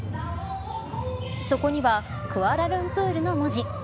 そこにはクアラルンプールの文字。